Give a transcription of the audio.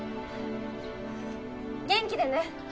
元気でね！